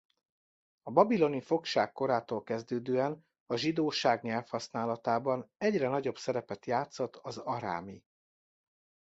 A babiloni fogság korától kezdődően a zsidóság nyelvhasználatában egyre nagyobb szerepet játszott az arámi.